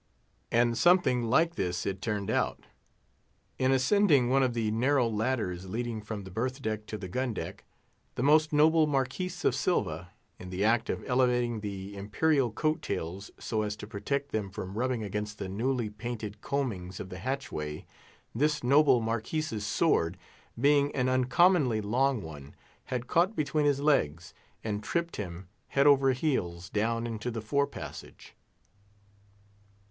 And something like this it turned out. In ascending one of the narrow ladders leading from the berth deck to the gun deck, the Most Noble Marquis of Silva, in the act of elevating the Imperial coat tails, so as to protect them from rubbing against the newly painted combings of the hatchway, this noble marquis's sword, being an uncommonly long one, had caught between his legs, and tripped him head over heels down into the fore passage.